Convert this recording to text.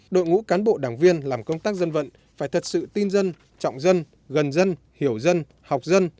đội ngũ cán bộ đảng viên làm công tác dân vận phải thật sự tin dân trọng dân gần dân hiểu dân học dân